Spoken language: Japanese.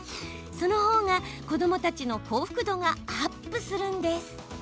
そのほうが子どもたちの幸福度がアップするんです。